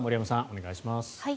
お願いします。